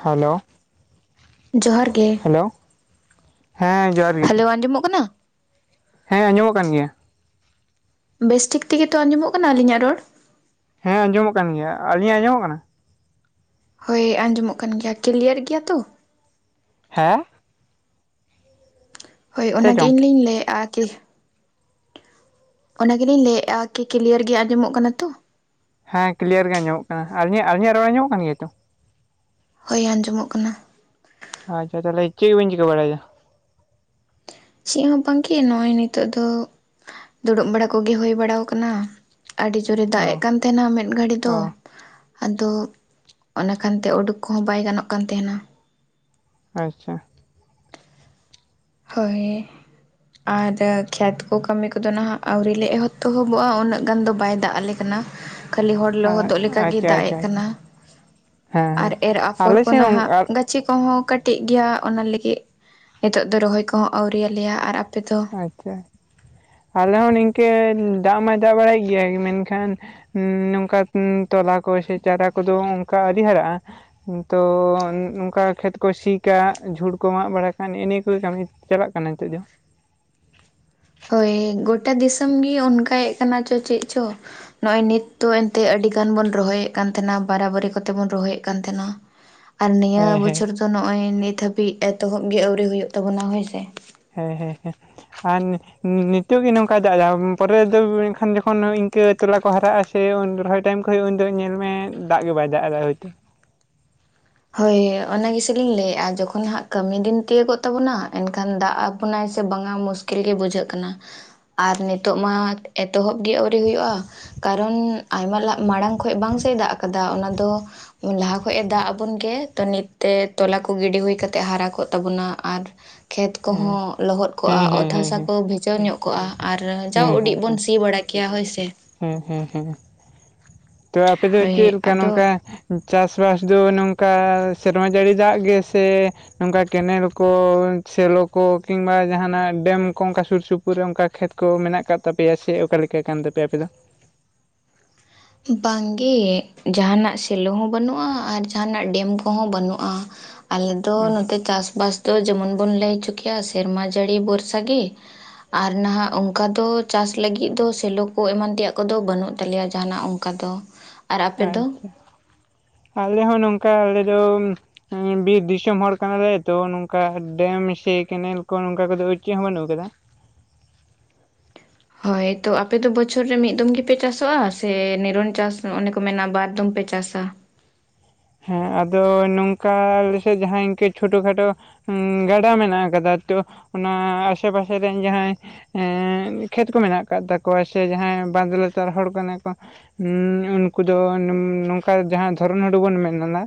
Hello ᱡᱚᱦᱟᱨ ᱜᱮ hello ᱦᱮᱸᱻ ᱡᱚᱦᱟᱨ ᱜᱮ- ᱦᱮᱞᱳ ᱟᱸᱡᱚᱢᱚᱜ ᱠᱟᱱᱟ? ᱦᱮᱸ ᱟᱸᱡᱚᱢᱚᱜ ᱠᱟᱱ ᱜᱮᱭᱟ ᱵᱮᱥ ᱴᱷᱤᱠ ᱛᱮ ᱜᱮ ᱛᱚ ᱟᱸᱡᱚᱢᱚᱜ ᱠᱟᱱᱟ ᱟᱹᱞᱤᱧ ᱟᱜ ᱨᱚᱲ? ᱦᱮᱸ ᱟᱸᱡᱚᱢᱚᱜ ᱠᱟᱱ ᱜᱮᱭᱟ ᱟᱹᱞᱤᱧ ᱟᱜ ᱟᱸᱡᱚᱢᱚᱜ ᱠᱟᱱᱟ? ᱦᱚᱭ ᱟᱸᱡᱚᱢᱚᱜ ᱠᱟᱱ ᱜᱮᱭᱟ ᱠᱞᱤᱭᱟᱹᱨ ᱜᱮᱭᱟ ᱛᱚ? ᱦᱮᱸ ᱪᱮᱫ ᱚᱱᱟᱜᱮ ᱪᱚᱝ ᱤᱧ ᱞᱤᱧ ᱞᱟᱹᱭᱮᱫᱼᱟ ᱠᱤ ᱚᱱᱟ ᱜᱮ ᱞᱤᱧ ᱞᱟᱹᱭᱮᱜᱼᱟ ᱠᱤ ᱠᱞᱤᱭᱟᱹᱨ ᱜᱮ ᱟᱸᱡᱚᱢᱚᱜ ᱠᱟᱱᱟ ᱛᱚ? ᱦᱮᱸ ᱠᱤᱞᱤᱭᱟᱨ ᱜᱮ ᱧᱟᱢᱚᱜ ᱠᱟᱱᱟ, ᱟᱨ ᱟᱞᱤᱧᱟᱜ ᱨᱚᱲ ᱟᱡᱚᱢᱚᱜ ᱠᱟᱱ ᱜᱮᱭᱟ ᱛᱚ? ᱟᱸᱡᱚᱢᱚᱜ ᱠᱟᱱᱟ ᱾ ᱟᱪᱪᱷᱟ ᱛᱟᱞᱦᱮ ᱪᱮᱫ ᱠᱚᱵᱮᱱ ᱪᱤᱠᱟᱹ ᱵᱟᱲᱟᱭᱮᱫᱟ ᱪᱮᱫ ᱦᱚᱸ ᱵᱟᱝᱜᱮ ᱱᱚᱜᱼᱚᱭ ᱱᱤᱛᱚᱜ ᱫᱚ ᱫᱩᱲᱩᱵ ᱵᱟᱲᱟ ᱠᱚᱜᱮ ᱦᱩᱭ ᱵᱟᱲᱟᱣᱟᱠᱟᱱᱟ ᱟᱹᱰᱤ ᱡᱳᱨᱮ ᱫᱟᱜ ᱮᱫ ᱚ ᱠᱟᱱ ᱛᱟᱦᱮᱱᱟ ᱢᱮᱫ ᱜᱷᱟᱹᱲᱤ ᱫᱚ ᱚ ᱟᱫᱚ ᱚᱱᱟ ᱠᱷᱟᱱᱛᱮ ᱩᱰᱩᱠ ᱠᱚᱦᱚᱸ ᱵᱟᱭ ᱜᱟᱱᱚᱜ ᱠᱟᱱ ᱛᱟᱦᱮᱱᱟ ᱟᱪᱪᱷᱟ ᱦᱳᱭ ᱟᱨ ᱠᱷᱮᱛ ᱠᱚ ᱠᱟᱹᱢᱤ ᱠᱚᱫᱚ ᱱᱟᱦᱟᱜ ᱟᱹᱣᱨᱤ ᱞᱮ ᱮᱦᱚᱵ-ᱛᱮᱦᱚᱵᱚᱜᱼᱟ ᱩᱱᱟᱹᱜ ᱜᱟᱱ ᱫᱚ ᱵᱟᱭ ᱫᱟᱜ ᱟᱞᱮ ᱠᱟᱱᱟ ᱩᱱᱟ ᱠᱷᱟᱹᱞᱤ ᱦᱚᱲ ᱞᱚᱦᱚᱫᱚᱜ ᱞᱮᱠᱟᱜᱮ ᱟᱪᱪᱷᱟ ᱫᱟᱜ ᱟᱪᱪᱷᱟ ᱮᱜ ᱟᱪᱪᱷᱟ ᱠᱟᱱᱟ ᱦᱮᱸ ᱟᱨ ᱦᱮᱸ ᱮᱨ ᱟᱯᱷᱚᱨ ᱟᱞᱮ ᱠᱚ ᱥᱮᱫ ᱱᱟᱦᱟᱜ ᱜᱟ ᱪᱷᱤ ᱠᱚᱦᱚᱸ ᱠᱟᱹᱴᱤᱡ ᱜᱮᱭᱟ ᱚᱱᱟ ᱞᱟᱹᱜᱤᱫ ᱱᱤᱛᱚᱜ ᱫᱚ ᱨᱚᱦᱚᱭ ᱠᱚᱦᱚᱸ ᱟᱹᱣᱨᱤᱭᱟᱞᱮᱭᱟ ᱟᱨ ᱟᱯᱮ ᱫᱚ ᱟᱪᱪᱷᱟ ᱟᱞᱮ ᱦᱚᱸ ᱱᱤᱝᱠᱟᱹ ᱫᱟᱜ ᱢᱟ ᱫᱟᱜ ᱵᱟᱲᱟᱭᱮᱫ ᱜᱮᱭᱟᱭ ᱢᱮᱱᱠᱷᱟᱱ ᱱᱚᱝᱠᱟ ᱛᱚᱞᱟ ᱠᱚ ᱥᱮ ᱪᱟᱨᱟ ᱠᱚᱫᱚ ᱚᱱᱠᱟ ᱟᱹᱰᱤ ᱦᱟᱨᱟᱜᱼᱟ ᱛᱚ ᱱᱚᱝᱠᱟ ᱠᱷᱮᱛ ᱠᱩᱭ ᱥᱤ ᱠᱟᱜ, ᱡᱷᱩᱲ ᱠᱚ ᱢᱟᱜ ᱵᱟᱲᱟ ᱠᱟᱜ ᱱᱮᱜ-ᱮ ᱱᱤᱭᱟᱹ ᱠᱚᱜᱮ ᱠᱟᱹᱢᱤ ᱪᱟᱞᱟᱜ ᱠᱟᱱᱟ ᱱᱤᱛᱚᱜ ᱫᱚ ᱦᱳᱭ ᱜᱚᱴᱟ ᱫᱤᱥᱚᱢ ᱜᱮ ᱚᱱᱠᱟᱭᱮᱫ ᱠᱟᱱᱟ ᱪᱚ ᱪᱮᱫ ᱪᱚ ᱱᱚᱜᱼᱚᱭ ᱱᱤᱛ ᱫᱚ ᱮᱱᱛᱮᱜ ᱟᱹᱰᱤ ᱜᱟᱱ ᱵᱚᱱ ᱨᱚᱦᱚᱭᱮᱫ ᱠᱟᱱ ᱛᱟᱦᱮᱱᱟ ᱵᱟᱨᱟᱵᱟᱹᱨᱤ ᱠᱚᱛᱮ ᱵᱚᱱ ᱨᱚᱦᱚᱭᱮᱫ ᱠᱟᱱ ᱛᱟᱦᱮᱱᱟ [inaudible] ᱟᱨ ᱱᱤᱭᱟᱹ ᱦᱮᱸ ᱦᱮᱸ ᱵᱚᱪᱷᱚᱨ ᱫᱚ ᱱᱚᱜ-ᱚᱚᱭ ᱱᱤᱛ ᱦᱟᱹᱵᱤᱡ ᱮᱛᱚᱦᱚᱵ ᱜᱮ ᱟᱣᱨᱤ ᱦᱩᱭᱩᱜ ᱛᱟᱵᱚᱱᱟ ᱦᱳᱭ ᱥᱮ ᱦᱮᱸ ᱦᱮᱸ ᱦᱮᱸ ᱟᱨ ᱱᱤᱛᱚᱜ ᱜᱮ ᱱᱚᱝᱠᱟᱭ ᱫᱟᱜᱟ ᱯᱚᱨᱮ ᱫᱚ ᱮᱝᱠᱷᱟᱱ ᱡᱚᱠᱷᱚᱱ ᱤᱱᱠᱟᱹ ᱛᱚᱞᱟ ᱠᱚ ᱦᱟᱨᱟᱜᱼᱟ ᱥᱮ ᱩᱱᱫᱚᱨᱚᱦᱚᱭ ᱴᱟᱭᱤᱢ ᱠᱷᱚᱱᱚᱡ ᱩᱱ ᱫᱚ ᱧᱮᱞ ᱢᱮ ᱫᱟᱜ ᱜᱮ ᱵᱟᱭ ᱫᱟᱜ ᱮᱫᱟ ᱦᱳᱭᱛᱚ ᱦᱳᱭ ᱚᱱᱟ ᱜᱮᱥᱮ ᱞᱤᱧ ᱞᱟᱹᱭᱮᱫᱼᱟ ᱡᱚᱠᱷᱚᱱ ᱦᱟᱸᱜ ᱠᱟᱹᱢᱤ ᱫᱤᱱ ᱛᱤᱭᱳᱟᱹᱜᱚᱜ ᱛᱟᱵᱚᱱᱟ ᱮᱱᱠᱷᱟᱱ ᱫᱟᱜ ᱟ ᱵᱚᱱᱟᱭ ᱥᱮ ᱵᱟᱝᱟ ᱢᱩᱥᱠᱤᱞ ᱜᱮ ᱵᱩᱡᱷᱟᱹᱜ ᱠᱟᱱᱟ ᱟᱨ ᱱᱤᱛᱚᱜ ᱢᱟ ᱮᱛᱚᱦᱚᱵ ᱜᱮ ᱟᱹᱣᱨᱤ ᱦᱩᱭᱩᱜᱼᱟ ᱠᱟᱨᱚᱱ ᱟᱭᱢᱟ ᱢᱟᱲᱟᱝ ᱠᱷᱚᱡ ᱵᱟᱝᱥᱮᱭ ᱫᱟᱜ ᱟᱠᱟᱫᱟ ᱚᱱᱟ ᱫᱚ ᱞᱟᱦᱟ ᱠᱷᱚᱱᱚᱡ ᱮ ᱫᱟᱜ ᱵᱚᱱ ᱢᱮᱛᱟᱭ, ᱛᱚ ᱱᱤᱛᱛᱮ ᱛᱚᱞᱟ ᱠᱚ ᱜᱤᱰᱤ ᱦᱩᱭ ᱠᱟᱛᱮ ᱦᱟᱨᱟ ᱠᱚᱜ ᱛᱟᱵᱚᱱᱟ ᱟᱨ ᱠᱷᱮᱛ ᱦᱮᱸ ᱠᱚᱦᱚᱸ ᱞᱚᱦᱚᱫ ᱦᱮᱸ ᱠᱚᱜᱼᱟ ᱦᱮᱸ ᱚᱛ ᱦᱮᱸ ᱦᱟᱥᱟ ᱦᱮᱸ ᱠᱚ ᱵᱷᱤᱡᱟᱹᱣ ᱧᱚᱜ ᱠᱚᱜᱼᱟ ᱟᱨ ᱦᱮᱸ ᱡᱟᱣ ᱦᱮᱸ ᱦᱮᱸ ᱩᱰᱤᱡ ᱵᱚᱱ ᱥᱤ ᱵᱟᱲᱟ ᱠᱮ ᱠᱮᱭᱟ ᱦᱳᱭ ᱥᱮ ᱦᱮᱸ ᱦᱮᱸ ᱦᱮᱸ ᱛᱚ ᱟᱯᱮ ᱫᱚ ᱦᱳᱭ ᱪᱮᱫ ᱞᱮᱠᱟ ᱟᱫᱚ ᱱᱚᱝᱠᱟ ᱪᱟᱥ-ᱵᱟᱥ ᱫᱚ ᱱᱚᱝᱠᱟ ᱥᱮᱨᱢᱟ ᱡᱟᱹᱲᱤ ᱫᱟᱜ ᱜᱮ ᱥᱮ ᱱᱚᱝᱠᱟ ᱠᱮᱱᱮᱞ ᱠᱚ ᱥᱮᱞᱚ ᱠᱚ ᱠᱤᱢᱵᱟ ᱡᱟᱦᱱᱟᱜ ᱰᱮᱢ ᱠᱚ ᱚᱱᱠᱟ ᱥᱩᱨ ᱥᱩᱯᱩ ᱯᱩᱨ ᱨᱮ ᱚᱱᱠᱟ ᱠᱷᱮᱛ ᱠᱚ ᱢᱮᱱᱟᱜ ᱟᱠᱟᱫ ᱛᱟᱯᱮᱭᱟ ᱥᱮ ᱚᱠᱟᱞᱮᱠᱟ ᱠᱟᱱ ᱛᱟᱯᱮᱭᱟ ᱟᱯᱮ ᱫᱚ ᱵᱟᱝᱜᱮ ᱡᱟᱦᱟᱱᱟᱜ ᱥᱮᱞᱚ ᱦᱚᱸ ᱵᱟᱹᱱᱩᱜᱼᱟ ᱟᱨ ᱡᱟᱦᱟᱱᱟᱜ ᱰᱮᱢ ᱠᱚᱦᱚᱸ ᱵᱟᱹᱱᱩᱜᱼᱟ ᱟᱞᱮ ᱫᱚ ᱱᱚᱛᱮ ᱪᱟᱥᱵᱟᱥ ᱫᱚ ᱡᱮᱢᱚᱱ ᱵᱚᱱ ᱞᱟᱹᱭ ᱦᱚᱪᱚ ᱠᱮᱭᱟ ᱥᱮᱨᱢᱟ ᱡᱟᱹᱲᱤ ᱵᱚᱨᱥᱟ ᱜᱮ ᱟᱨ ᱱᱟᱦᱟᱜ ᱚᱱᱠᱟ ᱫᱚ ᱪᱟᱥ ᱞᱟᱹᱜᱤᱫ ᱫᱚ ᱥᱮᱞᱚ ᱠᱚ ᱮᱢᱟᱱ ᱛᱮᱭᱟᱜ ᱠᱚᱫᱚ ᱵᱟᱹᱱᱩᱜ ᱛᱟᱞᱮᱭᱟ ᱡᱟᱦᱟᱱᱟᱜ ᱚᱱᱠᱟ ᱫᱚ ᱟᱨ ᱟᱯᱮ ᱫᱚ ᱟᱪᱪᱷᱟ, ᱟᱞᱮ ᱦᱚᱸ ᱱᱚᱝᱠᱟ ᱟᱞᱮ ᱫᱚ ᱵᱤᱨ ᱫᱤᱥᱚᱢ ᱦᱚᱲ ᱠᱟᱱᱟᱞᱮ ᱛᱚ ᱱᱚᱝᱠᱟ ᱰᱮᱢ ᱥᱮ ᱠᱮᱱᱮᱞ ᱠᱚ ᱱᱚᱝᱠᱟ ᱠᱚᱫᱚ ᱪᱮᱫ ᱦᱚᱸ ᱵᱟᱹᱱᱩᱜ ᱟᱠᱟᱫᱟ ᱦᱳᱭ ᱛᱚ ᱟᱯᱮᱫᱚ ᱵᱚᱪᱷᱚᱨ ᱨᱮ ᱢᱤᱫ ᱫᱚᱢ ᱜᱮᱯᱮ ᱪᱟᱥᱚᱜᱼᱟ ᱥᱮ ᱱᱤᱨᱚᱱ ᱪᱟᱥ ᱱᱚᱱᱮ ᱠᱚ ᱢᱮᱱᱟ ᱵᱟᱨ ᱫᱚᱢ ᱯᱮ ᱪᱟᱥᱟ ᱦᱮᱸ ᱟᱫᱚ ᱱᱚᱝᱠᱟ ᱟᱞᱮᱥᱮᱫ ᱡᱟᱦᱟᱸ ᱤᱱᱠᱟᱹ ᱪᱷᱳᱴᱳ ᱠᱷᱟᱴᱳ ᱩᱸᱻ ᱜᱟᱰᱟ ᱢᱮᱱᱟᱜ ᱟᱠᱟᱫᱟ ᱛᱚ ᱚᱱᱟ ᱟᱥᱮ ᱯᱟᱥᱮ ᱨᱮᱱ ᱡᱟᱦᱟᱸᱭ ᱮᱸ ᱠᱷᱮᱛ ᱠᱚ ᱢᱮᱱᱟᱜ ᱟᱠᱟᱫ ᱛᱟᱠᱚᱣᱟ ᱥᱮ ᱡᱟᱦᱟᱸᱭ ᱵᱟᱸᱫ ᱞᱟᱛᱟᱨ ᱦᱚᱲ ᱠᱟᱱᱟ ᱠᱚ ᱩᱸᱻ ᱩᱱᱠᱩ ᱫᱚ ᱱᱚᱝᱠᱟ ᱡᱟᱦᱟᱸ ᱫᱷᱚᱨᱚᱱ ᱦᱩᱲᱩ ᱵᱚᱱ ᱢᱮ ᱢᱮᱱᱟ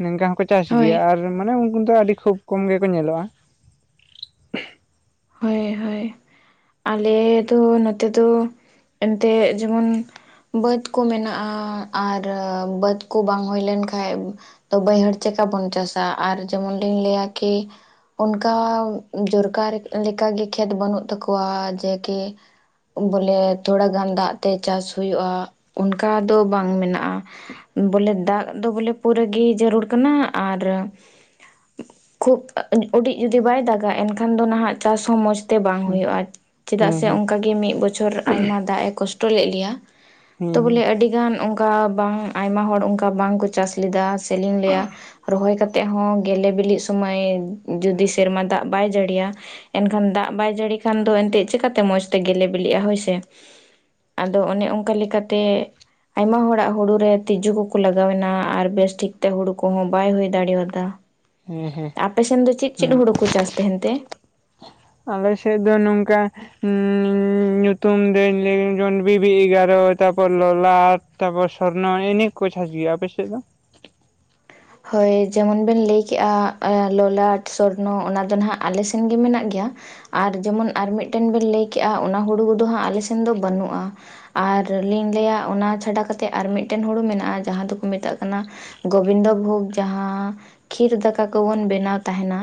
ᱱᱤᱝᱠᱟ ᱦᱚᱸᱠᱚ ᱪᱟᱥ ᱦᱳᱭ ᱜᱮᱭᱟ ᱟᱨ ᱢᱟᱱᱮ ᱩᱱᱠᱩ ᱫᱚ ᱟᱹᱰᱤ ᱠᱷᱩᱵ ᱠᱚᱢ ᱜᱮᱠᱚ ᱧᱮᱞᱚᱜᱼᱟ ᱦᱳᱭ ᱦᱳᱭ ᱟᱞᱮ ᱫᱚ ᱱᱚᱛᱮ ᱫᱚ ᱮᱱᱛᱮᱫ ᱡᱮᱢᱚᱱ ᱵᱟᱹᱫᱽ ᱠᱚ ᱢᱮᱱᱟᱜᱼᱟ ᱟᱨ ᱵᱟᱹᱫᱽ ᱠᱚ ᱵᱟᱝ ᱦᱩᱭ ᱞᱮᱱ ᱠᱷᱟᱡ ᱛᱚ, ᱵᱟᱹᱭᱦᱟᱹᱲ ᱪᱮᱠᱟ ᱵᱚᱱ ᱪᱟᱥᱟ ᱟᱨ ᱡᱮᱢᱚᱱ ᱞᱤᱧ ᱞᱟᱹᱭᱟ ᱠᱤ ᱚᱱᱠᱟ ᱡᱚᱨᱠᱟᱨ ᱞᱮᱠᱟ ᱜᱤ ᱠᱷᱮᱛ ᱵᱟᱹᱱᱩᱜ ᱛᱟᱠᱚᱣᱟ ᱡᱮ ᱠᱤ ᱵᱚᱞᱮ ᱛᱷᱚᱲᱟ ᱜᱟᱱ ᱫᱟᱜ ᱛᱮ ᱪᱟᱥ ᱦᱳᱭᱳᱼᱟ, ᱚᱱᱠᱟ ᱫᱚ ᱵᱟᱝ ᱢᱮᱱᱟᱜᱼᱟ᱾ ᱵᱚᱞᱮ ᱫᱟᱜ ᱫᱚ ᱵᱚᱞᱮ ᱯᱩᱨᱟᱹ ᱜᱮ ᱡᱟᱹᱨᱩᱲ ᱠᱟᱱᱟ ᱟᱨ ᱠᱷᱩᱵ ᱩᱰᱤᱡ ᱡᱩᱫᱤ ᱵᱟᱭ ᱫᱟᱜᱟ ᱮᱱᱠᱷᱟᱱ ᱫᱚ ᱱᱟᱦᱟᱜ ᱪᱟᱥ ᱦᱚᱸ ᱢᱚᱸᱡᱽ ᱛᱮ ᱵᱟᱝ ᱦᱮᱸ ᱦᱩᱭᱩᱜᱼᱟ, ᱪᱮᱫᱟᱜ ᱦᱮᱸ ᱥᱮ ᱦᱮᱸ ᱚᱱᱠᱟ ᱜᱮ ᱢᱤᱫ ᱵᱚᱪᱷᱚᱨ ᱟᱭᱢᱟ ᱫᱟᱜ ᱮ ᱠᱚᱥ ᱴᱚ ᱞᱮᱜᱭᱟ ᱛᱚ ᱦᱮᱸ ᱵᱚᱞᱮ ᱟᱹᱰᱤᱜᱟᱱ ᱚᱱ ᱠᱟ ᱵᱟᱝ ᱟᱭᱢᱟ ᱦᱚᱲ ᱚᱱᱠᱟ ᱵᱟᱝᱠᱚ ᱪᱟᱥ ᱞᱮᱫᱟ, ᱥᱮᱞᱤᱝ ᱞᱮᱭᱟ ᱨᱚᱦᱚᱭ ᱠᱟᱛᱮᱜ ᱦᱚᱸ ᱜᱮᱞᱮ ᱵᱤᱞᱤᱜ ᱥᱚᱢᱚᱭ ᱡᱩᱫᱤ ᱥᱮᱨᱢᱟ ᱫᱟᱜ ᱵᱟᱭ ᱡᱟᱹᱲᱤᱭᱟ ᱮᱱᱠᱷᱟᱱ ᱫᱟᱜ ᱵᱟᱭ ᱡᱟᱹᱲᱤ ᱠᱷᱟᱱ ᱫᱚ ᱮᱱᱛᱮᱫ ᱪᱤᱠᱟᱛᱮ ᱢᱚᱸᱡᱽᱛᱮ ᱜᱮᱞᱮ ᱵᱤᱞᱤᱜᱼᱟ, ᱦᱳᱭ ᱥᱮ᱾ ᱟᱫᱚ ᱚᱱᱮ ᱚᱱᱠᱟ ᱞᱮᱠᱟᱛᱮ ᱟᱭᱢᱟ ᱦᱚᱲᱟᱜ ᱦᱩᱲᱩ ᱨᱮ ᱛᱤᱡᱩ ᱠᱚᱠᱚ ᱞᱟᱜᱟᱣ ᱮᱱᱟ ᱟᱨ ᱵᱮᱥ ᱴᱷᱤᱠ ᱛᱮ ᱦᱩᱲᱩ ᱠᱚᱦᱚᱸ ᱵᱟᱭ ᱦᱩᱭ ᱫᱟᱲᱮᱭᱟᱫᱟ᱾ ᱦᱮᱸ ᱦᱮᱸ ᱟᱯᱮ ᱥᱮᱱ ᱫᱚ ᱪᱮᱫ ᱪᱮᱫ ᱦᱮᱸ ᱦᱩᱲᱩ ᱠᱚ ᱪᱟᱥ ᱛᱟᱦᱮᱱ ᱛᱮ? ᱟᱞᱮ ᱥᱮᱫ ᱫᱚ ᱱᱚᱝᱠᱟ ᱩᱸ ᱧᱩᱛᱩᱢ ᱫᱟᱹᱧ ᱞᱟᱹᱭ ᱡᱚᱱ ᱵᱤᱵᱤ ᱮᱜᱟᱨᱚ, ᱛᱟᱯᱚᱨ ᱞᱚᱞᱟᱴ᱾ ᱛᱟᱯᱚᱨ ᱥᱚᱨᱱᱚ ᱮᱱᱮ ᱠᱚ ᱪᱟᱥ ᱜᱮᱭᱟ ᱟᱯᱮ ᱥᱮᱫ ᱫᱚ? ᱦᱳᱭ ᱡᱮᱢᱚᱱ ᱵᱮᱱ ᱞᱟᱹᱭ ᱠᱮᱜᱼᱟ ᱞᱚᱞᱟᱴ ᱥᱚᱨᱱᱚ ᱚᱱᱟ ᱫᱚ ᱦᱟᱜ ᱟᱞᱮ ᱥᱮᱱ ᱜᱮ ᱢᱮᱱᱟᱜ ᱜᱮᱭᱟ᱾ ᱟᱨ ᱡᱮᱢᱚᱱ ᱟᱨ ᱢᱤᱫᱴᱮᱱ ᱵᱮᱱ ᱞᱟᱹᱭ ᱠᱮᱜᱼᱟ, ᱚᱱᱟ ᱦᱩᱲᱩ ᱠᱚᱫᱚ ᱦᱟᱸᱜ ᱟᱞᱮ ᱥᱮᱱ ᱫᱚ ᱵᱟᱹᱱᱩᱜᱼᱟ᱾ ᱟᱨ ᱞᱤᱧ ᱞᱟᱹᱭᱟ ᱚᱱᱟ ᱪᱷᱟᱰᱟ ᱠᱟᱛᱮᱫ ᱟᱨ ᱢᱤᱫᱴᱮᱱ ᱦᱩᱲᱩ ᱢᱮᱱᱟᱜᱼᱟ ᱡᱟᱦᱟᱸ ᱫᱚᱠᱚ ᱢᱮᱛᱟᱜ ᱠᱟᱱᱟ ᱜᱚᱵᱤᱱᱫᱚ ᱵᱷᱳᱜ ᱡᱟᱦᱟᱸ ᱠᱷᱤᱨ ᱫᱟᱠᱟ ᱠᱚᱵᱚᱱ ᱵᱮᱱᱟᱣ ᱛᱟᱦᱮᱱᱟ,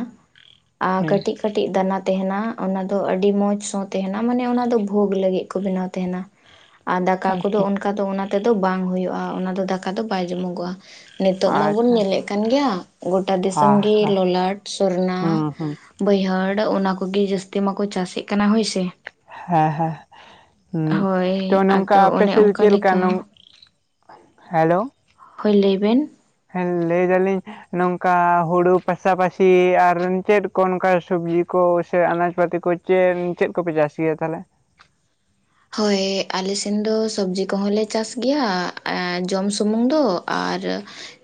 ᱟ ᱦᱮᱸ ᱠᱟᱹᱴᱤᱜ ᱠᱟᱹᱴᱤᱜ ᱫᱟᱱᱟ ᱛᱟᱦᱮᱱᱟ ᱚᱱᱟ ᱫᱚ ᱟᱹᱰᱤ ᱢᱚᱸᱡᱽ ᱥᱚᱸ ᱛᱟᱦᱮᱱᱟ ᱢᱟᱱᱮ ᱚᱱᱟ ᱫᱚ ᱵᱷᱳᱜ ᱞᱟᱹᱜᱤᱫ ᱠᱚ ᱵᱮᱱᱟᱣ ᱛᱟᱦᱮᱱᱟ᱾ ᱦᱮ ᱟᱨ ᱫᱟᱠᱟ ᱠᱚᱫᱚ ᱚᱱᱠᱟ ᱫᱚ ᱚᱱᱟ ᱛᱮᱫᱚ ᱵᱟᱝ ᱦᱳᱭᱳᱜᱼᱟ ᱚᱱᱟ ᱫᱚ ᱫᱟᱠᱟ ᱫᱚ ᱵᱟᱭ ᱡᱚᱢᱚᱜᱚᱜᱼᱟ ᱱᱤᱛᱚᱜ ᱢᱟᱵᱚᱱ ᱧᱮᱞᱮᱜ ᱠᱟᱱ ᱜᱮᱭᱟ, ᱜᱚᱴᱟ ᱫᱤᱥᱚᱢ ᱜᱮ ᱟᱪᱪᱷᱟ ᱞᱚᱞᱟᱴ ᱥᱚᱨᱱᱟ᱾ ᱦᱮᱸ ᱦᱮᱸ ᱦᱩᱸ ᱦᱩᱸ ᱵᱟᱹᱭᱦᱟᱹᱲ, ᱚᱱᱟ ᱠᱚᱜᱮ ᱡᱟᱹᱥᱛᱤ ᱢᱟᱠᱚ ᱪᱟᱥᱮᱫ ᱠᱟᱱᱟ ᱦᱳᱭ ᱥᱮ᱾ ᱦᱮᱸ ᱦᱮᱸ ᱦᱟ ᱦᱳᱭ ᱛᱚ ᱱᱚᱝᱠᱟ ᱟᱫᱚ ᱟᱯᱮ ᱚᱱᱮ ᱥᱮᱫ ᱫᱚ ᱚᱱᱠᱟ ᱪᱮᱫ ᱞᱮᱠᱟ ᱱᱚᱝ ᱦᱮᱞᱳ ᱦᱳᱭ ᱞᱟᱹᱭ ᱵᱤᱱ᱾ ᱦᱮᱸ ᱞᱟᱹᱭ ᱫᱟᱞᱤᱧ ᱱᱚᱝᱠᱟ ᱦᱳᱲᱳ ᱯᱟᱥᱟ-ᱯᱟᱥᱤ ᱟᱨ ᱪᱮᱫ ᱠᱚ ᱱᱚᱝᱠᱟ ᱥᱚᱵᱽᱡᱤ ᱠᱚ ᱥᱮ ᱟᱱᱟᱡᱽ ᱯᱟᱹᱛᱤ ᱠᱚ ᱪᱮ ᱪᱮᱫ ᱠᱚᱯᱮ, ᱪᱟᱥ ᱜᱮᱭᱟ ᱛᱟᱦᱚᱞᱮ? ᱦᱳᱭ ᱟᱞᱮ ᱥᱮᱱ ᱫᱚ ᱥᱚᱵᱽᱡᱤ ᱠᱚᱦᱚᱸ ᱞᱮ ᱪᱟᱥ ᱜᱮᱭᱟ ᱡᱚᱢ ᱥᱩᱢᱩᱝ ᱫᱚ ᱟᱨ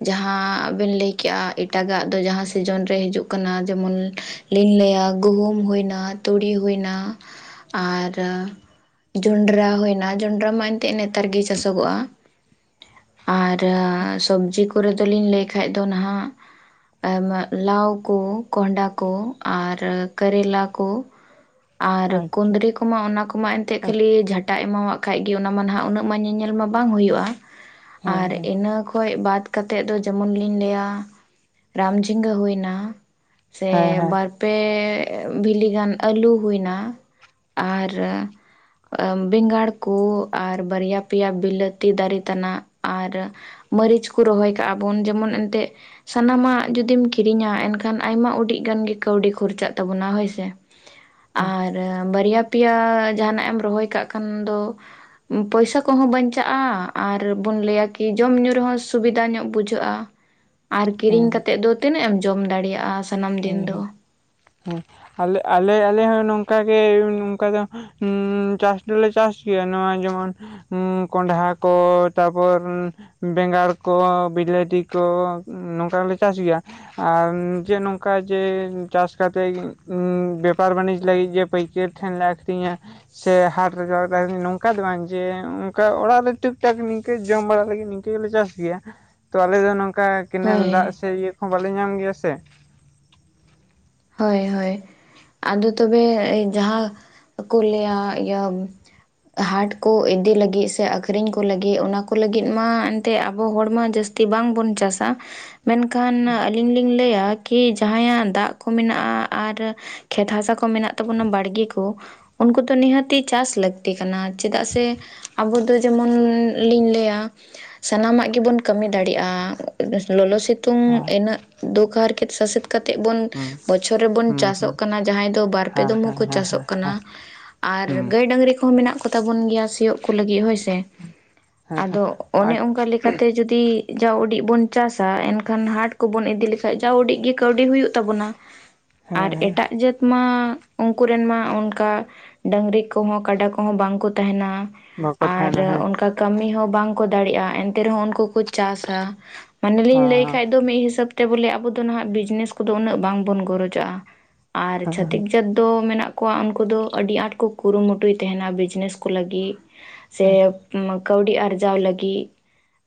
ᱡᱟᱦᱟᱸ ᱵᱮᱱ ᱞᱟᱹᱭ ᱠᱮᱜᱼᱟ, ᱮᱴᱟᱜᱟᱜ ᱫᱚ ᱡᱟᱦᱟᱸ ᱥᱤᱡᱮᱱ ᱨᱮ ᱦᱤᱡᱩᱜ ᱠᱟᱱᱟ, ᱡᱮᱢᱚᱱ ᱞᱤᱝ ᱞᱟᱹᱭᱟ ᱜᱩᱦᱩᱢ ᱦᱩᱭᱱᱟ ᱛᱩᱲᱤ ᱦᱩᱭᱮᱱᱟ ᱟᱨ ᱡᱚᱸᱰᱨᱟ ᱦᱳᱭᱮᱱᱟ, ᱡᱚᱸᱰᱨᱟ ᱢᱟ ᱮᱱᱛᱮᱜ ᱱᱮᱛᱟᱨ ᱜᱮ ᱪᱟᱥᱚᱜᱚᱜᱼᱟ᱾ ᱟᱨ ᱥᱚᱵᱽᱡᱤ ᱠᱚᱨᱮ ᱫᱚᱞᱤᱧ ᱞᱟᱹᱭ ᱠᱷᱟᱱ ᱫᱚ ᱱᱟᱦᱟᱜ ᱞᱟᱣ ᱠᱚ, ᱠᱚᱦᱰᱟ ᱠᱚ, ᱟᱨ ᱠᱟᱨᱮᱞᱟ ᱠᱚ᱾ ᱻ ᱟᱨ ᱠᱩᱫᱽᱨᱤ ᱠᱚᱢᱟ ᱚᱱᱟ ᱠᱚᱢᱟ ᱮᱱᱛᱮᱫ ᱠᱷᱟᱹᱞᱤ ᱡᱷᱟᱴᱟ ᱮᱢᱟᱣᱟᱜ ᱠᱷᱟᱱ ᱜᱮ ᱚᱱᱟ ᱢᱟ ᱱᱟᱦᱟᱜ ᱩᱱᱟᱹᱜ ᱢᱟ ᱧᱮ-ᱧᱮᱞ ᱢᱟ ᱵᱟᱝ ᱦᱩᱭᱩᱜᱼᱟ᱾ ᱦᱮᱸ ᱟᱨ ᱦᱮᱸ ᱤᱱᱟᱹ ᱠᱷᱚᱡ ᱵᱟᱫ ᱠᱟᱛᱮ ᱫᱚ ᱡᱮᱢᱚᱱ ᱞᱤᱧ ᱞᱟᱹᱭᱟ ᱨᱟᱢ ᱡᱷᱤᱸᱜᱟᱹ ᱦᱩᱭᱱᱟ ᱥᱮ ᱦᱮᱸ ᱦᱮᱸ ᱵᱟ ᱯᱮ ᱵᱷᱤᱞᱤ ᱜᱟᱱ ᱟᱹᱞᱩ ᱦᱩᱭᱱᱟ ᱟᱨ ᱟ ᱵᱮᱸᱜᱟᱲ ᱠᱚ ᱟᱨ ᱵᱟᱨᱭᱟ ᱯᱮᱭᱟ ᱵᱤᱞᱟᱹᱛᱤ ᱫᱟᱨᱮ ᱛᱮᱱᱟᱜ ᱟᱨ ᱢᱟᱹᱨᱤᱪ ᱠᱚ ᱨᱚᱦᱚᱭ ᱠᱟᱜᱼᱟ ᱵᱚᱱ ᱡᱮᱢᱚᱱ ᱮᱱᱛᱮᱜ ᱥᱟᱱᱟᱢᱟᱜ ᱡᱚᱫᱤᱢ ᱠᱤᱨᱤᱧᱟ ᱮᱱᱠᱷᱟᱱ ᱟᱭᱢᱟ ᱩᱰᱤᱜ ᱜᱟᱱ ᱜᱮ ᱠᱟᱹᱣᱰᱤ ᱠᱷᱚᱨᱪᱟᱜ ᱛᱟᱵᱚᱱᱟ ᱦᱳᱭ ᱥᱮ᱾ ᱦᱮᱸ ᱟᱨ ᱵᱟᱨᱭᱟ, ᱯᱮᱭᱟ ᱡᱟᱦᱟᱱᱟᱜ ᱮᱢ ᱨᱚᱦᱚᱭ ᱠᱟᱜ ᱠᱷᱟᱱ ᱫᱚ ᱯᱚᱭᱥᱟ ᱠᱚᱦᱚᱸ ᱵᱟᱧᱪᱟᱜᱼᱟ ᱟᱨ ᱵᱚᱱ ᱞᱟᱹᱭᱟ ᱠᱤ ᱡᱚᱢ ᱧᱩ ᱨᱮᱦᱚᱸ ᱥᱩᱵᱤᱫᱟ ᱧᱚᱜ ᱵᱩᱡᱷᱟᱹᱜᱼᱟ᱾ ᱻ ᱟᱨ ᱠᱤᱨᱤᱧ ᱠᱟᱛᱮᱜ ᱫᱚ ᱛᱤᱱᱟᱹᱜ ᱮᱢ ᱡᱚᱢ ᱫᱟᱲᱮᱭᱟᱜᱼᱟ ᱥ ᱦᱩᱸ ᱦᱩᱸ ᱦᱩᱸ ᱟᱞᱮ ᱟᱞᱮ ᱟᱞᱮ ᱦᱚᱸ ᱱᱚᱝᱠᱟ ᱜᱮ ᱱᱚᱝᱠᱟ ᱫᱚ ᱦᱩᱸ ᱪᱟᱥ ᱫᱚᱞᱮ ᱪᱟᱥ ᱜᱮᱭᱟ ᱱᱚᱣᱟ ᱡᱮᱢᱚᱱ ᱦᱩ ᱠᱚᱸᱰᱷᱟᱦᱟ ᱠᱚ ᱛᱟᱨᱯᱚᱨ ᱵᱮᱸᱜᱟᱲ ᱠᱚ, ᱵᱤᱞᱟᱹᱛᱤ ᱠᱚ, ᱱᱚᱝᱠᱟ ᱜᱮᱞᱮ ᱪᱟᱥ ᱜᱮᱭᱟ, ᱟᱨ ᱡᱮᱱ ᱠᱟ ᱡᱮ ᱪᱟᱥ ᱠᱟᱛᱮᱜ ᱩᱸ ᱵᱮᱯᱟᱨ ᱵᱟᱹᱱᱤᱡᱽ ᱞᱟᱹᱜᱤᱫ ᱜᱮ ᱯᱟᱹᱭᱠᱟᱹᱨ ᱴᱷᱮᱱ ᱞᱮ ᱟᱹᱠᱷᱨᱤᱧᱟ᱾ ᱥᱮ ᱦᱟᱴᱨᱮ [inaudible] ᱱᱚᱝᱠᱟ ᱫᱚ ᱵᱟᱝ ᱡᱮ ᱚᱱᱠᱟ ᱚᱲᱟᱜ ᱨᱮ ᱴᱩᱠ ᱴᱟᱠ ᱱᱤᱝᱠᱟᱹ ᱡᱚᱢ ᱵᱟᱲᱟ ᱞᱟᱹᱜᱤᱫ᱾ ᱞᱮ ᱪᱟᱥ ᱜᱮᱭᱟ ᱛᱚ ᱟᱞᱮ ᱫᱚ ᱱᱚᱝᱠᱟ ᱠᱮᱱᱮᱞ ᱫᱟᱜ ᱦᱳᱭ ᱥᱮ ᱤᱭᱟᱹ ᱠᱚᱦᱚᱸ ᱵᱟᱞᱮ ᱧᱟᱢ ᱜᱮᱭᱟ ᱥᱮ, ᱦᱳᱭ ᱦᱳᱭ, ᱟᱫᱚ ᱛᱚᱵᱮ ᱡᱟᱦᱟᱸ ᱠᱚ ᱞᱟᱹᱭᱟ ᱤᱭᱟᱹ ᱦᱟᱴ ᱠᱚ ᱤᱫᱤ ᱞᱟᱹᱜᱤᱫ ᱥᱮ ᱟᱹᱠᱷᱨᱤᱧ ᱠᱚ ᱞᱟᱹᱜᱤᱫ ᱚᱱᱟ ᱠᱚ ᱞᱟᱹᱜᱤᱫ ᱢᱟ ᱮᱱᱛᱮ ᱟᱵᱚ ᱦᱚᱲᱢᱟ ᱡᱟᱹᱥᱛᱤ ᱛᱮ ᱵᱟᱝᱵᱚᱱ ᱪᱟᱥᱟ᱾ ᱢᱮᱱᱠᱷᱟᱱ ᱟᱹᱞᱤᱧ ᱞᱤᱧ ᱞᱟᱹᱭᱟ ᱠᱤ ᱡᱟᱦᱟᱸᱭᱟᱜ ᱫᱟᱜ ᱠᱩ ᱢᱮᱱᱟᱜ-ᱟ ᱟᱨ ᱠᱷᱮᱛ ᱦᱟᱥᱟ ᱠᱚ ᱢᱮᱱᱟᱜ ᱛᱟᱵᱚᱱᱟ ᱵᱟᱲᱜᱮ ᱠᱚ, ᱩᱱᱠᱩ ᱛᱚ ᱱᱤᱦᱟᱹᱛᱤ ᱪᱟᱥ ᱞᱟᱹᱠᱛᱤ ᱠᱟᱱᱟ ᱪᱮᱫᱟᱜ ᱥᱮ? ᱟᱵᱩ ᱫᱚ ᱡᱮᱢᱚᱱ ᱞᱤᱧ ᱞᱟᱹᱭᱟ᱾ ᱥᱟᱱᱟᱢᱟᱜ ᱜᱮᱵᱚᱱ ᱠᱟᱹᱢᱤ ᱫᱟᱲᱮᱜ-ᱟ, ᱵᱟᱥ ᱞᱚᱞᱚ ᱥᱤᱛ ᱛᱩᱝ ᱦᱮᱸ ᱤᱱᱟᱹᱜ ᱫᱩᱠ ᱦᱟᱨᱠᱮᱛ ᱥᱟᱥᱮᱛ ᱠᱟᱛᱮᱜ ᱵᱚᱱ, ᱦᱩᱸ ᱵᱚᱪᱷᱚᱨ ᱨᱮᱵᱚᱱ ᱦᱩᱸ ᱦᱩᱸ ᱪᱟᱥᱚᱜ ᱠᱟᱱᱟ, ᱡᱟᱦᱟᱸᱭ ᱫᱚ ᱵᱟᱨᱯᱮ ᱦᱮᱸ ᱫᱚᱢ ᱦᱮᱸ ᱦᱚᱸᱠᱚ ᱦᱮᱸ ᱪᱟᱥᱚᱜ ᱠᱟᱱᱟ᱾ ᱦᱮᱸ ᱟᱨ ᱦᱮᱸ ᱜᱟᱹᱭ ᱰᱟᱝᱨᱤ ᱠᱚᱦᱚᱸ ᱢᱮᱱᱟᱜ ᱠᱚ ᱛᱟᱵᱚᱱ ᱜᱮᱭᱟ ᱥᱤᱭᱳᱜ ᱠᱚ ᱞᱟᱹᱜᱤᱫ ᱦᱳᱭ ᱥᱮ᱾ ᱦᱮᱸ ᱟᱫᱚ ᱚᱱᱮ ᱟᱡ ᱚᱱᱠᱟ ᱞᱮᱠᱟᱛᱮ ᱡᱩᱫᱤ ᱫᱤ ᱡᱟᱣ ᱩᱰᱤᱡ ᱵᱚᱱ ᱪᱟᱥᱟ ᱮᱱᱠᱷᱟᱱ ᱦᱟᱴ ᱠᱚᱵᱚᱱ ᱤᱫᱤ ᱞᱮᱠᱷᱟᱡ ᱡᱟᱣ ᱩᱰᱤᱡ ᱜᱮ ᱠᱟᱹᱣᱰᱤ ᱦᱩᱭᱩᱜ ᱛᱟᱵᱚᱱᱟ᱾ ᱟᱨ ᱦᱮᱸ ᱮᱴᱟᱜ ᱡᱟᱹᱛ ᱢᱟ ᱩᱱᱠᱩ ᱨᱮᱱ ᱢᱟ ᱚᱱᱠᱟ ᱰᱟᱝᱨᱤ ᱠᱚᱦᱚᱸ ᱠᱟᱰᱟ ᱠᱚᱦᱚᱸ ᱵᱟᱝ ᱠᱚ ᱛᱟᱦᱮᱱᱟ ᱵᱟᱠᱚ ᱟᱨ ᱛᱟᱦᱮᱱᱟ ᱦᱮᱸ ᱚᱱᱠᱟ ᱠᱟᱹᱢᱤ ᱦᱚᱸ ᱵᱟᱝᱠᱚ ᱫᱟᱲᱮᱜ-ᱟ ᱮᱱᱛᱮ ᱨᱮᱦᱚᱸ ᱩᱱᱠᱩ ᱠᱚ ᱪᱟᱥ ᱥᱟ᱾ ᱢᱟᱱᱮ ᱞᱤᱧ ᱞᱟᱹᱭ ᱠᱷᱟᱡ ᱫᱚ ᱢᱤᱫ ᱦᱤᱥᱟᱹᱵ ᱛᱮ ᱵᱚᱞᱮ ᱟᱵᱚ ᱫᱚ ᱱᱟᱦᱟ ᱵᱤᱡᱽᱱᱮᱥ ᱠᱚᱫᱚ ᱩᱱᱟᱹᱜ ᱵᱟᱝᱵᱚᱱ ᱜᱚᱨᱚᱡᱟᱜᱼᱟ᱾ ᱟᱨ ᱪᱷᱟᱹᱛᱤᱠ ᱦᱮᱸ ᱡᱟᱹᱛ ᱫᱚ ᱢᱮᱱᱟᱜ ᱚᱣᱟᱜ ᱩᱱᱠᱩ ᱫᱚ ᱟᱹᱰᱤ ᱟᱸᱴ ᱠᱚ ᱠᱩᱨᱩᱢᱩᱴᱩᱭ ᱛᱮᱦᱮᱱᱟ ᱵᱤᱡᱽᱱᱤᱥ ᱠᱚ ᱞᱟᱹᱜᱤᱫ᱾ ᱥᱮ ᱠᱟᱹᱣᱰᱤ ᱟᱨᱡᱟᱣ ᱞᱟᱹᱜᱤᱫ᱾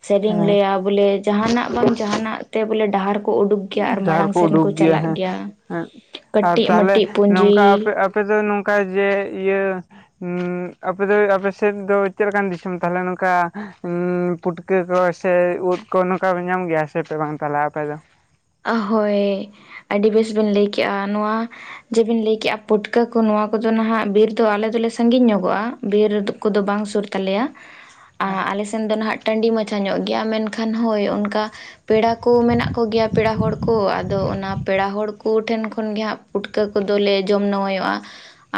ᱥᱮᱨᱤᱧ ᱞᱟᱹᱭᱟ ᱵᱚᱞᱮ ᱡᱟᱦᱟᱱᱟᱜ ᱵᱟᱝ ᱡᱟᱦᱟᱱᱟᱜ ᱦᱮᱸ ᱵᱚᱞᱮ ᱰᱟᱦᱟᱨ ᱠᱩ ᱩᱰᱩᱠ ᱜᱮᱭᱟ ᱟᱨ ᱡᱟᱦᱟᱸ ᱢᱟᱲᱟᱝ ᱨᱮᱠᱚ ᱥᱮᱱ ᱠᱚ ᱩᱰᱩᱠ ᱜᱮᱭᱟ ᱪᱟᱞᱟᱜ ᱦᱮᱸ ᱜᱮᱭᱟ ᱦᱮᱸ ᱟᱨ ᱠᱟᱹᱴᱤᱡ ᱛᱟᱦᱚᱞᱮ ᱢᱟᱹᱴᱤᱡ ᱱᱚᱝᱠᱟᱯᱮ ᱯᱩᱸᱡᱤ ᱟᱯᱮ ᱟᱯᱮ ᱫᱚ ᱱᱚᱝᱠᱟ ᱡᱮ ᱤᱭᱟᱹ ᱩᱸᱻ ᱟᱯᱮ ᱫᱚ ᱟᱯᱮ ᱥᱮᱫ ᱫᱚ ᱪᱮᱫ ᱞᱮᱠᱟᱱ ᱫᱤᱥᱚᱢ ᱛᱟᱦᱞᱮ ᱱᱚᱝᱠᱟ ᱩᱸᱻ ᱯᱩᱴᱠᱟᱹ ᱠᱚ ᱥᱮ ᱩᱫ ᱠᱚ ᱱᱚᱝᱠᱟᱯᱮ ᱧᱟᱢ ᱜᱮᱭᱟ ᱥᱮᱯᱮ ᱵᱟᱝ ᱛᱟᱞᱟᱜ-ᱟ ᱟᱯᱮ ᱫᱚ? ᱚᱦᱳᱭ ᱟᱹᱰᱤ ᱵᱮᱥ ᱵᱮᱱ ᱞᱟᱹᱭ ᱠᱮᱜ-ᱟ, ᱱᱚᱣᱟ ᱡᱮᱵᱤᱱ ᱞᱟᱹᱭ ᱠᱮᱜ-ᱟ ᱯᱩᱴᱠᱟᱹ ᱠᱚ ᱱᱚᱣᱟ ᱠᱚᱫᱚ ᱱᱟᱦᱟᱜ ᱵᱤᱨ ᱫᱚ ᱟᱞᱮ ᱫᱚᱞᱮ ᱥᱟᱺᱜᱤᱧ ᱧᱚᱜᱚᱜ-ᱟ ᱵᱤᱨᱼᱼ ᱠᱩᱫᱚ ᱵᱟᱝ ᱥᱩᱨ ᱛᱟᱞᱮᱭᱟ᱾ [inaudible] ᱟ ᱟᱞᱮᱥᱮᱱ ᱫᱚ ᱱᱟᱦᱟᱜ ᱴᱟᱺᱰᱤ ᱢᱟᱪᱷᱟ ᱧᱚᱜ ᱜᱮᱭᱟ, ᱢᱮᱱᱠᱷᱟᱱ ᱦᱳᱭ ᱚᱱᱠᱟ ᱯᱮᱲᱟ ᱠᱚ ᱢᱮᱱᱟᱜ ᱠᱚ ᱜᱮᱭᱟ᱾ ᱦᱚᱲ ᱠᱚ ᱟᱫᱚ ᱚᱱᱟ ᱯᱮᱲᱟ ᱦᱚᱲ ᱠᱚ ᱴᱷᱮᱱ ᱠᱷᱚᱱ ᱜᱮ ᱦᱟᱸᱜ ᱯᱩᱴᱠᱟᱹ ᱠᱚᱫᱚᱞᱮ ᱡᱚᱢᱱᱩᱣᱟᱹᱧᱚᱜ-ᱟ᱾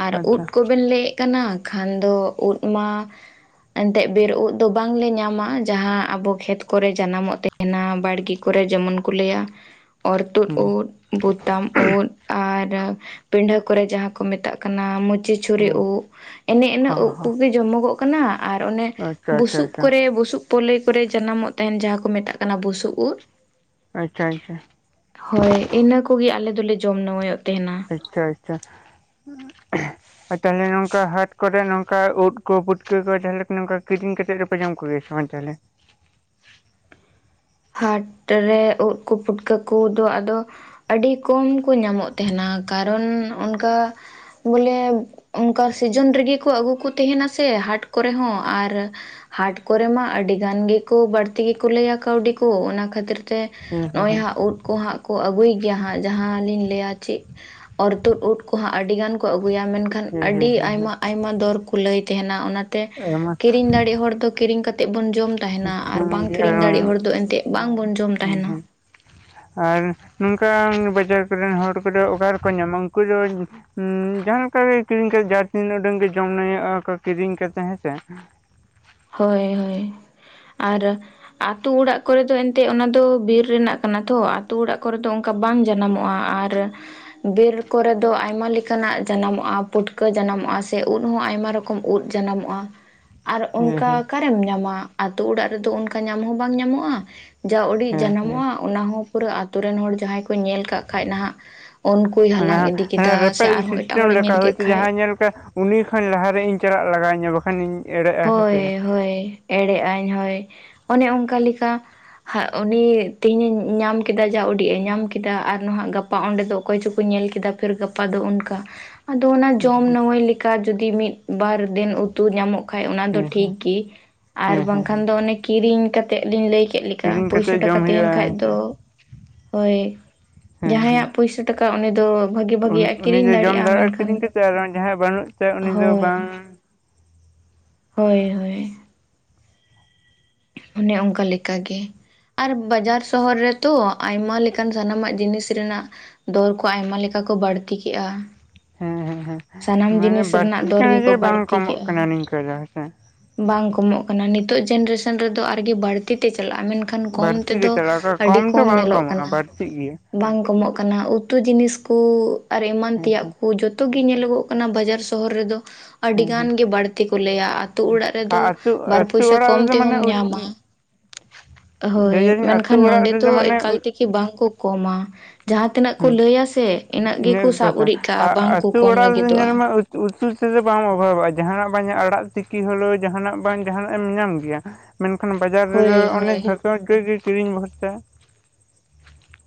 ᱟᱨ ᱩᱫ ᱟᱪᱪᱷᱟ ᱠᱚᱵᱮᱱ ᱞᱟᱹᱭᱮᱫ ᱠᱟᱱᱟ ᱠᱷᱟᱱ ᱫᱚ ᱩᱫ ᱢᱟ, ᱮᱱᱛᱮᱫ ᱵᱤᱨ ᱩᱫ ᱫᱚ ᱵᱟᱝᱞᱮ ᱧᱟᱢᱟ, ᱡᱟᱦᱟᱸ ᱟᱵᱚ ᱠᱷᱮᱛ ᱠᱚᱨᱮ ᱡᱟᱱᱟᱢᱚᱜ ᱛᱮ ᱮᱱᱟ ᱵᱟᱲᱜᱤ ᱠᱚᱨᱮ ᱡᱮᱢᱚᱱ ᱠᱩ ᱞᱟᱹᱭᱟ᱾ ᱚᱨᱛᱩᱫ ᱦᱩᱸ ᱩᱫ, ᱵᱚᱛᱟᱢ ᱩᱫ ᱟᱨ ᱯᱤᱸᱰᱷᱟᱹ ᱠᱚᱨᱮ ᱡᱟᱦᱟᱸ ᱠᱚ ᱢᱮᱛᱟᱜ ᱠᱟᱱᱟ᱾ ᱢᱩᱪᱤ ᱪᱩᱨᱤ ᱦᱩᱸ ᱩᱫ ᱮᱱᱮ ᱦᱚᱸ ᱤᱱᱟᱹᱩᱵ ᱦᱚᱸ ᱠᱚᱜᱮ ᱡᱚᱢᱚᱜᱚᱜ ᱠᱟᱱᱟ᱾ ᱟᱨ ᱚᱱᱮ ᱟᱪᱪᱷᱟ ᱟᱪᱪᱷᱟ ᱵᱩᱥᱩᱵ ᱟᱪᱪᱷᱟ ᱠᱚᱨᱮ ᱵᱩᱥᱩᱵ ᱯᱞᱳᱹᱭ ᱠᱚᱨᱮ ᱡᱟᱱᱟᱢᱚᱜ ᱛᱟᱸᱦᱮᱱ ᱡᱟᱦᱟᱸ ᱠᱚ ᱢᱮᱛᱟᱜ ᱠᱟᱱᱟ ᱵᱩᱥᱩᱵ ᱩᱫ᱾ ᱟᱪᱷᱟ ᱟᱪᱷᱟ ᱦᱳᱭ ᱤᱱᱟᱹ ᱠᱚᱜᱮ ᱟᱞᱮ ᱫᱚᱞᱮ ᱡᱚᱢ ᱱᱩᱣᱟᱹᱧᱚᱜ ᱛᱮᱦᱮᱱᱟ᱾ ᱟᱪᱪᱷᱟ ᱟᱪᱪᱷᱟ᱾ ᱟᱨ ᱛᱟᱦᱞᱮ ᱱᱚᱝᱠᱟ ᱦᱟᱴ ᱠᱚᱨᱮ ᱱᱚᱝᱠᱟ ᱩᱫ ᱠᱚ, ᱯᱩᱴᱠᱟᱹ ᱠᱚ, ᱡᱟᱦᱟᱸᱞᱮ ᱱᱚᱝᱠᱟ ᱠᱤᱨᱤᱧ ᱠᱟᱛᱮᱡ ᱫᱚ [unintelligible] ᱦᱟᱴ ᱨᱮ ᱩᱫ ᱠᱚ ᱯᱩᱴᱠᱟᱹ ᱠᱚᱫᱚ ᱟᱫᱚ ᱟᱹᱰᱤ ᱠᱚᱢ ᱠᱚ ᱧᱟᱢᱚᱜ ᱛᱮᱦᱮᱱᱟ, ᱠᱟᱨᱚᱱ ᱚᱱᱠᱟ ᱵᱚᱞᱮ ᱚᱱᱠᱟ ᱥᱤᱡᱚᱱ ᱨᱮᱜᱮ ᱠᱩ ᱟᱹᱜᱩ ᱠᱩ ᱛᱟᱦᱮᱱᱟ ᱥᱮ, ᱦᱟᱴ ᱠᱚᱨᱮ ᱦᱚᱸ ᱟᱨ ᱦᱟᱴ ᱠᱚᱨᱮ ᱢᱟ ᱟᱹᱰᱤ ᱜᱟᱱ ᱜᱮᱠᱚ ᱵᱟᱹᱲᱛᱤ ᱜᱮᱠᱚ ᱞᱟᱹᱭᱟ ᱠᱟᱹᱣᱰᱤ ᱠᱚ ᱚᱱᱟ ᱠᱷᱟᱹᱛᱤᱨ ᱛᱮ ᱦᱩᱸ ᱱᱚᱜᱼᱚᱭ ᱦᱩᱸ ᱦᱟᱸᱜ ᱩᱫ ᱠᱚ ᱦᱟᱸᱜ ᱠᱚ ᱟᱹᱜᱩᱭ ᱜᱮᱭᱟ ᱦᱟᱸᱜ ᱡᱟᱦᱟᱸ ᱞᱤᱧ ᱞᱟᱹᱭᱟ ᱪᱮᱫ ᱚᱨᱛᱩᱫ ᱳᱫ ᱠᱚᱦᱚᱸ ᱟᱹᱰᱤ ᱜᱟᱱ ᱠᱚ ᱟᱹᱜᱩᱭᱟ, ᱢᱮᱱᱠᱷᱟ ᱠᱷᱟᱱ ᱦᱩᱸ ᱦᱩᱸ ᱟᱹᱰᱤ ᱦᱩᱸ ᱦᱩᱸ ᱦᱩᱸ ᱟᱭᱢᱟ ᱟᱭᱢᱟ ᱫᱚᱨ ᱠᱚ ᱞᱟᱹᱭ ᱛᱟᱦᱮᱱᱟ, ᱚᱱᱟᱛᱮ ᱟᱭᱢᱟ ᱠᱤᱨᱤᱧ ᱫᱟᱲᱮᱜ ᱦᱚᱲ ᱫᱚ ᱠᱤᱨᱤᱧ ᱠᱟᱛ ᱛᱮᱫ ᱵᱚᱱ ᱡᱚᱢ ᱛᱟᱦᱮᱱᱟ, ᱟᱨ ᱵᱟᱝ ᱜᱮ ᱠᱤᱨᱤᱧ ᱫᱟᱲᱮᱜ ᱦᱚᱲ ᱦᱩᱸ ᱫᱚ ᱮᱱᱛᱮᱫ ᱵᱟᱝᱵᱚᱱ ᱡᱚᱢ ᱛᱟᱦᱮᱱᱟ᱾ ᱦᱩᱸ ᱟᱨ ᱱᱚᱝᱠᱟᱱ ᱵᱟᱡᱟᱨ ᱠᱚᱨᱮᱱ ᱦᱚᱲ ᱠᱚᱫᱚ ᱚᱠᱟ ᱨᱮᱠᱚ ᱧᱟᱢᱟ, ᱩᱱᱠᱩ ᱫᱚ ᱦᱩᱸ ᱡᱟᱦᱟᱸ ᱞᱮᱠᱟ ᱜᱮ ᱠᱤᱨᱤᱧ ᱠᱟᱛᱮᱜ ᱡᱟ ᱛᱤᱱ ᱩᱰᱟᱹᱝ ᱜᱮ ᱡᱚᱢ ᱱᱟ. ᱭᱳᱜ ᱠᱚ ᱠᱤᱨᱤᱧ ᱠᱟᱛᱮᱜ ᱦᱮᱸᱥᱮ᱾ ᱦᱳᱭ ᱦᱳᱭ ᱟᱨ ᱟᱛᱳ ᱚᱲᱟᱜ ᱠᱚᱨᱮ ᱫᱚ ᱮᱱᱛᱮᱫ ᱚᱱᱟ ᱫᱚ ᱵᱤᱨ ᱨᱮᱱᱟᱜ ᱠᱟᱱᱟ ᱛᱚ ᱟᱛᱳ ᱚᱲᱟᱜ ᱠᱚᱨᱮ ᱫᱚ ᱚᱝ ᱠᱟ ᱵᱟᱝ ᱡᱟᱱᱟᱢᱚᱜᱼᱟ, ᱟᱨ ᱵᱤᱨ ᱠᱚᱨᱮ ᱫᱚ ᱟᱭᱢᱟ ᱞᱮᱠᱟᱱᱟᱜ ᱡᱟᱱᱟᱢᱚᱜᱼᱟ, ᱯᱩᱴᱠᱟᱹ ᱡᱟᱱᱟᱢᱚᱜᱼᱟ ᱥᱮ ᱩᱫ ᱦᱚᱸ ᱟᱭᱢᱟ ᱨᱚᱠ ᱠᱚᱢ ᱩᱫᱽ ᱡᱟᱱᱟᱢᱚᱜᱼᱟ ᱟᱨ ᱦᱮᱸ ᱚᱱᱠᱟ ᱦᱮᱸ ᱚᱠᱟᱨᱮᱢ ᱧᱟᱢᱟ᱾ ᱟᱛᱳ ᱚᱲᱟᱜ ᱨᱮᱫᱚ ᱚᱱᱠᱟ ᱧᱟᱢ ᱦᱚᱸ ᱵᱟᱝ ᱧᱟᱢᱚᱜᱼᱟ᱾ ᱡᱟ ᱩᱰᱤᱡ ᱦᱮᱸ ᱦᱮᱸ ᱡᱟᱱᱟᱢᱚᱜᱼᱟ ᱚᱱᱟ ᱦᱚᱸ ᱯᱩᱨᱟᱹ ᱟᱹᱛᱩ ᱨᱮᱱ ᱦᱚᱲ ᱡᱟᱦᱟᱸᱭ ᱠᱚ ᱧᱮᱞ ᱠᱟᱜ ᱠᱷᱟ ᱱᱟᱦᱟᱸᱜ ᱚᱱᱟ ᱢᱟᱱᱮ ᱨᱮᱯᱮᱡ ᱮᱴᱟᱜ ᱥᱤᱥᱴᱮᱢ ᱦᱚᱲᱮ ᱧᱮᱞ ᱞᱮᱠᱟ ᱠᱮᱫ ᱦᱚᱳᱭᱛᱳ ᱠᱷᱟᱡ ᱡᱟᱦᱟᱸ ᱧᱮᱞ ᱠᱟ ᱩᱱᱤ ᱠᱷᱚᱱ ᱞᱟᱦᱟᱨᱮ ᱤᱧ ᱪᱟᱞᱟᱜ ᱞᱟᱜᱟᱣᱤᱧᱟ ᱵᱟᱠᱷᱟᱱᱤᱧ ᱮᱲᱮᱜᱼᱟ ᱦᱮᱸᱥᱮ ᱦᱳᱭ ᱦᱳᱭ ᱮᱲᱮᱜ ᱟᱭ ᱦᱳᱭ ᱚᱱᱮ ᱚᱱᱠᱟ ᱞᱮᱠᱟ᱾ ᱦᱟᱜ ᱩᱱᱤ ᱛᱮᱦᱤᱧ ᱧᱟᱢ ᱠᱮᱫᱟ ᱡᱟ ᱩᱰᱤᱡ ᱮ ᱧᱟᱢ ᱠᱮᱫᱟ ᱟᱨ ᱱᱟᱦᱟᱜ ᱜᱟᱯ ᱯᱟ ᱚᱸᱰᱮ ᱫᱚ ᱚᱠᱚᱭ ᱪᱚᱠᱚ ᱧᱮᱞ ᱠᱮᱫᱟ ᱯᱷᱤᱨ ᱜᱟᱯᱟ ᱫᱚ ᱚᱱᱠᱟ᱾ ᱟᱫᱚ ᱚᱱᱟ ᱡᱚᱢ ᱱᱟ. ᱢᱟ. ᱭ ᱞᱮᱠᱟ ᱡᱩᱫᱤ ᱢᱤᱫ ᱵᱟᱨ ᱫᱤᱱ ᱩᱛᱩ ᱧᱟᱢᱚᱜ ᱠᱷᱟᱡ ᱚᱱᱟ ᱫᱚ ᱦᱮᱸ ᱦᱮᱸ ᱴᱷᱤᱠ ᱜᱮ ᱟᱨ ᱦᱮᱸ ᱦᱮᱸ ᱦᱮᱸ ᱵᱟᱝᱠᱷᱟᱱ ᱫᱚ ᱚᱱᱮ ᱠᱤᱨᱤᱧ ᱠᱟᱛ ᱛᱮᱫ ᱞᱤᱧ ᱞᱟᱹᱭ ᱠᱮᱫ ᱞᱮᱠᱟ᱾ ᱠᱤᱨᱤᱧ ᱯᱚᱭᱥᱟ ᱠᱟᱛᱮᱫ ᱴᱟᱠᱟ ᱡᱚᱢ ᱛᱟᱦᱮᱱ ᱦᱩᱭᱩᱜᱼᱟ ᱠᱷᱟ ᱦᱮᱸᱥᱮ ᱫᱚ ᱦᱳᱭ ᱦᱮᱸ ᱦᱮᱸ ᱡᱟᱦᱟᱸᱭᱟᱜ ᱯᱩᱭᱥᱟ ᱴᱟᱠᱟ ᱩᱱᱤ ᱫᱚ᱾ ᱵᱷᱟᱜᱤ ᱵᱷᱟᱜᱤᱭᱟᱜᱼᱮ ᱩᱱᱤ ᱠᱤᱨᱤᱧ ᱫᱚ ᱡᱚᱢ ᱫᱟᱲᱮᱭᱟᱜᱼᱟ ᱢᱮᱱᱠᱷᱟᱱ, ᱠᱤᱨᱤᱧ ᱠᱟᱛᱮᱫ ᱟᱨ ᱡᱟᱦᱟᱸᱭ ᱵᱟᱹᱱᱩᱜ ᱛᱟᱭᱟ ᱩᱱᱤ ᱫᱚ ᱦᱳᱭ ᱵᱟᱝ ᱦᱳᱭ ᱦᱳᱭ ᱚᱱᱮ ᱚᱱᱠᱟ ᱞᱮᱠᱟᱜᱮ ᱟᱨ ᱵᱟᱡᱟᱨ ᱥᱚᱦᱚᱨ ᱨᱮᱛᱚ ᱟᱭᱢᱟ ᱞᱮᱠᱟᱱ ᱥᱟᱱᱟᱢᱟᱜ ᱡᱤᱱᱤᱥ ᱨᱮᱱᱟᱜ ᱫᱚᱨ ᱠᱚ ᱟᱭᱢᱟ ᱞᱮᱠᱟ ᱠᱚ ᱵᱟᱹᱲᱛᱤ ᱠᱮᱜᱼᱟ᱾ ᱦᱮᱸ ᱦᱮᱸ ᱦᱮᱸ ᱥᱟᱱᱟᱢ ᱡᱤᱱᱤᱥ ᱢᱟᱱᱮ ᱨᱮᱱᱟᱜ ᱵᱟᱹᱲᱛᱤᱜ ᱫᱚᱨ ᱠᱟᱱᱟ ᱜᱮᱠᱚ ᱡᱮ ᱵᱟᱝ ᱵᱟᱹᱲᱛᱤ ᱠᱚᱢᱚᱜ ᱠᱮᱜᱼᱟ᱾ ᱠᱟᱱᱟ ᱱᱤᱝᱠᱟᱹ ᱫᱚ ᱦᱮᱸᱥᱮ ᱵᱟᱝ ᱠᱚᱢᱚᱜ ᱠᱟᱱᱟ᱾ ᱱᱤᱛᱚᱜ ᱡᱱᱟᱨᱮᱥᱚᱱ ᱨᱮᱫᱚ ᱟᱨᱜᱤ ᱵᱟᱹᱲᱛᱤ ᱛᱮ ᱪᱟᱞᱟᱜ-ᱟ ᱢᱮᱱ ᱠᱷᱟᱱ ᱠᱚᱢ ᱵᱟᱹᱲᱛᱤ ᱜᱮ ᱛᱮᱫᱚ ᱪᱟᱞᱟᱣ ᱠᱚᱜᱼᱟ ᱟᱹᱰᱤ ᱫᱚ ᱠᱚᱢ ᱵᱟᱝ ᱧᱮᱞᱚᱜ ᱠᱚᱢᱚᱜᱼᱟ ᱠᱟᱱᱟ᱾ ᱵᱟᱹᱲᱛᱤᱜ ᱜᱮᱭᱟ ᱵᱟᱝ ᱠᱚᱢᱚᱜ ᱠᱟᱱᱟ ᱩᱛᱩ ᱡᱤᱱᱤᱥ ᱠᱚ ᱟᱨ ᱮᱢᱟᱱ ᱦᱮᱸ ᱛᱮᱭᱟᱜ ᱠᱚ ᱡᱩᱛ ᱛᱩ ᱜᱮ ᱧᱮᱞᱚᱜᱚᱜ ᱠᱟᱱᱟ ᱵᱟᱡᱟᱨ ᱥᱚᱦᱚᱨ ᱨᱮᱫᱚ᱾ ᱟᱹᱰᱤ ᱦᱮᱸ ᱦᱮᱸ ᱜᱟᱱ ᱜᱮ ᱵᱟᱹᱲᱛᱤ ᱠᱚ ᱞᱟᱹᱭᱟ ᱟᱛᱳ ᱚᱲᱟᱜ ᱟᱨ ᱨᱮᱫᱚ ᱟᱹᱛᱩ ᱵᱟᱨ ᱟᱹᱛᱩ ᱯᱚᱭᱥᱟ ᱚᱲᱟᱜ ᱠᱚᱢ ᱨᱮᱫᱚ ᱛᱮᱦᱚᱢ ᱢᱟᱱᱮ ᱧᱟᱢᱟ ᱞᱟᱹᱭ ᱦᱳᱭ ᱫᱟᱞᱤᱧ ᱟᱹᱛᱩ ᱢᱮᱱᱠᱷᱟᱱ ᱚᱲᱟᱜ ᱱᱚᱰᱮ ᱛᱚ ᱨᱮᱫᱚ ᱢᱟᱱᱮ ᱮᱠᱟᱞ ᱛᱮ ᱜᱤ ᱵᱟᱝ ᱠᱚ ᱠᱚᱢᱟ ᱡᱟᱦᱟ ᱛᱤᱱᱟᱹᱜ ᱠᱚ ᱦᱮᱸ ᱞᱟᱹᱭᱟ ᱥᱮ ᱤᱱᱟᱹᱜ ᱜᱮᱠᱚ ᱤᱱᱟᱹᱜᱮ ᱥᱟᱵ ᱠᱟᱛᱷᱟ ᱩᱨᱤᱡ ᱠᱟᱜᱼᱟ ᱟᱨ ᱵᱟᱝ ᱠᱚ ᱟᱹᱛᱩ ᱠᱚᱢ ᱚᱲᱟᱜ ᱨᱮᱫᱚ ᱞᱟᱹᱜᱤᱫᱚᱜᱼᱟ᱾ ᱧᱮᱞ ᱢᱮ ᱩᱛᱩ ᱛᱮᱫᱚ ᱵᱟᱢ ᱚᱵᱷᱟᱵᱼᱟ ᱡᱟᱦᱟᱱᱟᱜ ᱵᱟᱝ ᱡᱟ ᱟᱲᱟᱜ ᱛᱤᱠᱤ ᱦᱚᱞᱳ ᱡᱟᱦᱟᱱᱟᱜ ᱵᱟᱝ ᱡᱟᱦᱟᱱᱟᱜ ᱮᱢ ᱧᱟᱢ ᱜᱮᱭᱟ᱾ ᱢᱮᱱᱠᱷᱟᱱ ᱵᱟᱡᱟᱨ ᱨᱮᱫᱚ ᱦᱳᱭ ᱚᱱᱮ ᱦᱳᱭ ᱡᱷᱛᱚ ᱠᱚ ᱜᱮ ᱠᱤᱨᱤᱧ ᱵᱷᱚᱨᱪᱟ᱾